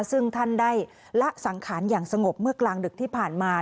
ซึ่งท่านได้ละสังขารอย่างสงบเมื่อกลางดึกที่ผ่านมา